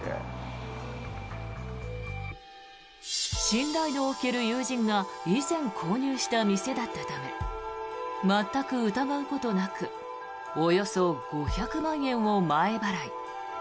信頼の置ける友人が以前購入した店だったため全く疑うことなくおよそ５００万円を前払い。